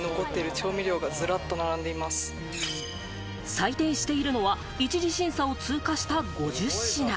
採点しているのは一次審査を通過した５０品。